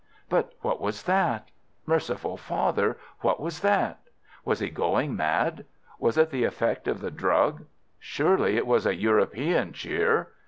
But what was that? Merciful Father, what was that? Was he going mad? Was it the effect of the drug? Surely it was a European cheer?